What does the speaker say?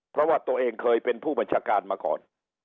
เพราะว่าตัวเองเคยเป็นผู้บัญชาการมาก่อน